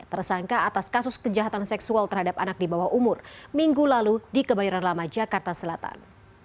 tersangka atas kasus kejahatan seksual terhadap anak di bawah umur minggu lalu di kebayoran lama jakarta selatan